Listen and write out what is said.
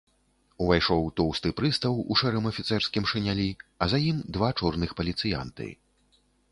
Увайшоў тоўсты прыстаў у шэрым афіцэрскім шынялі, а за ім два чорных паліцыянты.